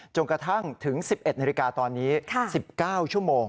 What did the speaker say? จนกระทั่งถึง๑๑นาฬิกาตอนนี้๑๙ชั่วโมง